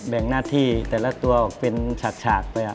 แบ่งหน้าที่แต่ละตัวออกเป็นฉากไป